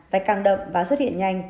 vạch càng đậm và xuất hiện nhanh